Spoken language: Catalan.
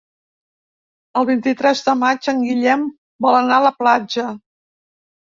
El vint-i-tres de maig en Guillem vol anar a la platja.